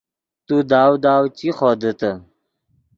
تو داؤ داؤ چی خودیتے